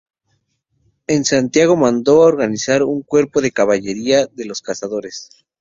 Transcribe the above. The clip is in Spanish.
En Santiago mandó organizar un cuerpo de caballería, el de Cazadores.